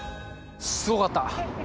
すごかった。